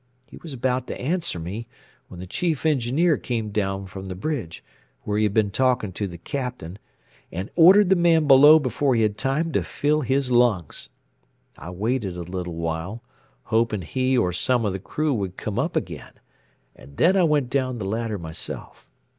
He was about to answer me when the Chief Engineer came down from the bridge, where he had been talking to the Captain, and ordered the man below before he had time to fill his lungs. I waited a little while, hoping he or some of the crew would come up again, and then I went down the ladder myself.